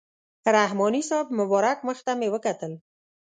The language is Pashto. رحماني صاحب مبارک مخ ته مې کتل.